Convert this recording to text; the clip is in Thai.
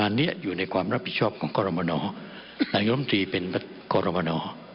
อันนี้อยู่ในความรับผิดชอบของกรมนนายกรรมตรีเป็นกรมน